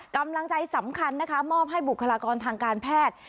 กำลังใจสำคัญนะคะมอบให้บุคลากรทางการแพทย์